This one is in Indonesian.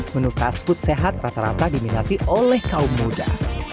menu fas food sehat rata rata diminati oleh kaum muda